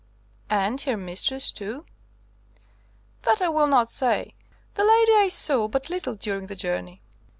"And her mistress too?" "That I will not say. The lady I saw but little during the journey."